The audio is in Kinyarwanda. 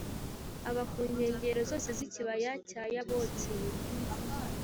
aba ku nkengero zose z’ikibaya cya Yaboki